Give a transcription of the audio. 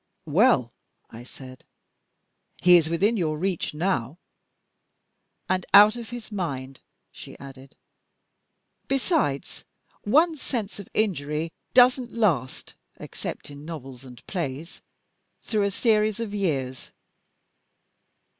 "Well," I said, "he is within your reach now." "And out of his mind," she added. "Besides, one's sense of injury doesn't last (except in novels and plays) through a series of years.